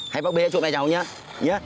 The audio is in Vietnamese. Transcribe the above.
hãy bác bê ra chụp mẹ cháu nhé